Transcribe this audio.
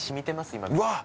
今うわっ！